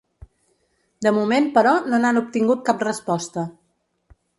De moment, però, no n’han obtingut cap resposta.